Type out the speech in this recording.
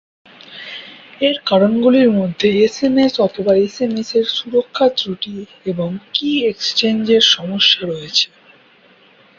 এর কারণগুলির মধ্যে এসএমএস/এমএমএসের সুরক্ষা ত্রুটি এবং কী এক্সচেঞ্জের সমস্যা রয়েছে।